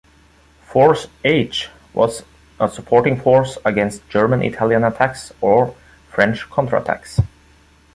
Force "H" was a supporting force against German-Italian attacks or French counterattacks.